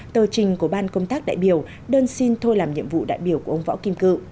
tờ trình của ban công tác đại biểu đơn xin thôi làm nhiệm vụ đại biểu của ông võ kim cự